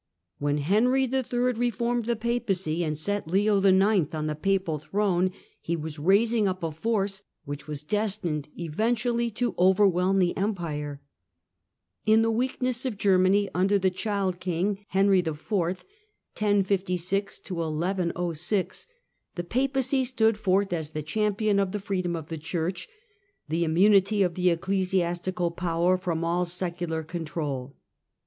When Henry III. reformed the Papacy, and set Leo IX. on the papal throne, he was raising up a force which was destined eventually to over whelm the Empire. In the weakness of Germany under the child king Henry IV., the Papacy stood forth as the champion of the " freedom of the Church," the immunity of the ecclesiastical power from all secular con trol.